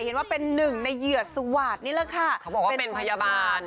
เห็นว่าเป็นหนึ่งในเหยื่อสวาสตร์นี่แหละค่ะเขาบอกว่าเป็นพยาบาล